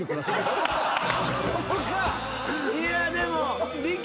いやでも。